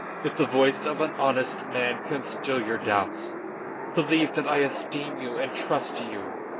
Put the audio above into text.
If the voice of an honest man can still your doubts, believe that I esteem you and trust you.